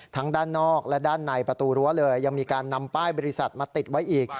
ด้านนอกและด้านในประตูรั้วเลยยังมีการนำป้ายบริษัทมาติดไว้อีก